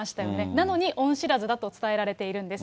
なのに恩知らずだと伝えられているんです。